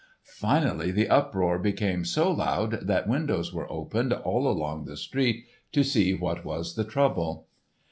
Finally the uproar became so loud that windows were opened all along the street to see what was the trouble.